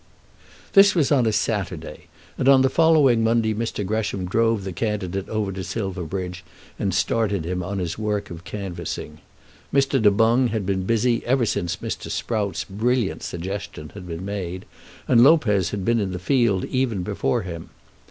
This was on a Saturday, and on the following Monday Mr. Gresham drove the candidate over to Silverbridge and started him on his work of canvassing. Mr. Du Boung had been busy ever since Mr. Sprout's brilliant suggestion had been made, and Lopez had been in the field even before him.